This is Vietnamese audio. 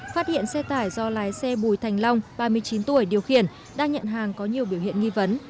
phát hiện xe tải do lái xe bùi thành long ba mươi chín tuổi điều khiển đang nhận hàng có nhiều biểu hiện nghi vấn